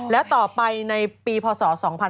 แล้วต่อไปในปีพศ๒๕๕๙